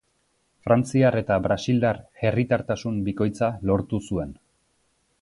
Frantziar eta brasildar herritartasun bikoitza lortu zuen.